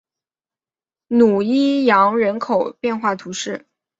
努伊扬人口变化图示